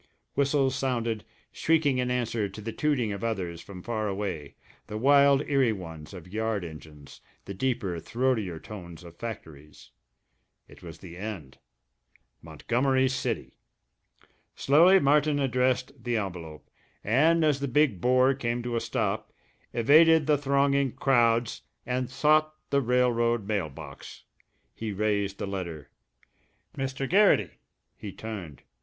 Whistles sounded, shrieking in answer to the tooting of others from far away, the wild eerie ones of yard engines, the deeper, throatier tones of factories. It was the end. Montgomery City! Slowly Martin addressed the envelope, and as the big bore came to a stop, evaded the thronging crowds and sought the railroad mail box. He raised the letter.... "Mr. Garrity!" He turned.